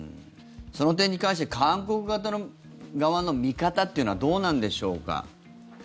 その点に関して韓国側の見方というのはどうなんでしょうか。